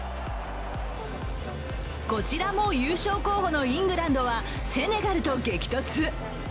こちらも優勝候補のイングランドはセネガルと激突。